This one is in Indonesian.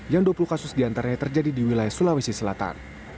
yang dua puluh kasus diantaranya terjadi di wilayah sulawesi selatan